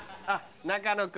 中野君。